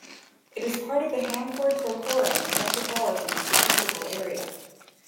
It is part of the Hanford-Corcoran Metropolitan Statistical Area.